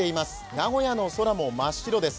名古屋の空も真っ白です。